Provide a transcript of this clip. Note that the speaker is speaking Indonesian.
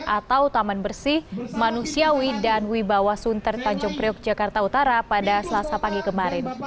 atau taman bersih manusiawi dan wibawa sunter tanjung priok jakarta utara pada selasa pagi kemarin